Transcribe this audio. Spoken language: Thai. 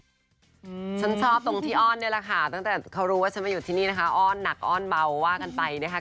ฉันชอบตรงที่อ้อนเนี่ยแหละค่ะตั้งแต่เขารู้ว่าฉันมาอยู่ที่นี่นะคะอ้อนหนักอ้อนเบาว่ากันไปนะคะ